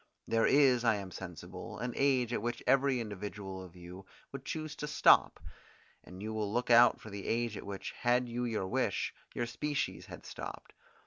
There is, I am sensible, an age at which every individual of you would choose to stop; and you will look out for the age at which, had you your wish, your species had stopped.